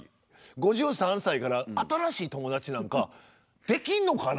５３歳から新しい友達なんかできんのかな。